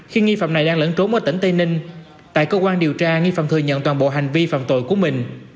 khi nghi phạm này đang lẫn trốn ở tỉnh tây ninh tại cơ quan điều tra nghi phạm thừa nhận toàn bộ hành vi phạm tội của mình